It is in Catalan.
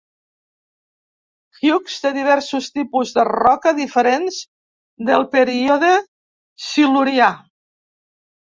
Hughes té diversos tipus de roca diferents del període silurià.